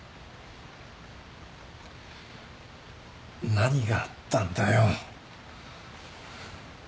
何があったんだよ。